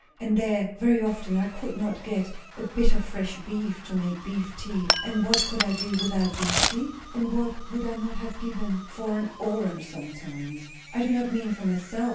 and there, very often I could not get a bit of fresh beef to make beef tea; and what could I do without beef tea? And what would I not have given for an orange sometimes! I do not mean, for myself.